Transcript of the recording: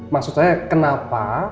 maksud saya kenapa